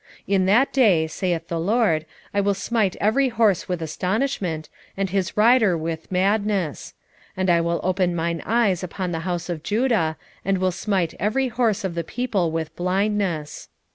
12:4 In that day, saith the LORD, I will smite every horse with astonishment, and his rider with madness: and I will open mine eyes upon the house of Judah, and will smite every horse of the people with blindness.